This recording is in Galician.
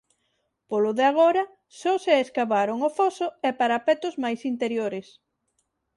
Polo de agora só se escavaron o foso e parapetos máis interiores.